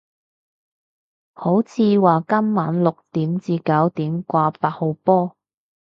好似話今晚六點至九點掛八號波